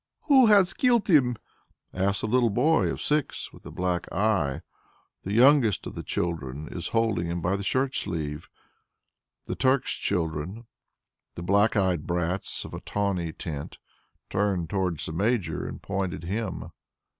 "Who has killed him?" asks the little boy of six with the black eye. The youngest of the children is holding him by the shirt sleeve. The Turk's children, the black eyed brats of a tawny tint, turn towards the Major and point at him.